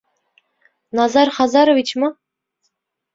Назар Хазаровичмы?